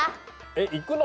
えっ行くの？